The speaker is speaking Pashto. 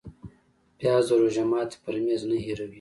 پیاز د روژه ماتي پر میز نه هېروې